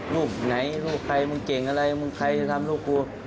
รูปไหนรูปใครมึงเก่งอะไรมึงใครจะทำลูกกู